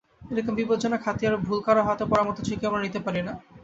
এরকম বিপদজনক হাতিয়ার ভুল কারো হাতে পড়ার মতো ঝুঁকি আমরা নিতে পারি না।